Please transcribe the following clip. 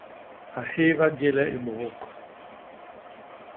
A héba jéle i bôbôk.